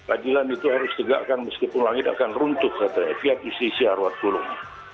adilan itu harus tegakkan meskipun langit akan runtuh pihak justisnya ruas kulung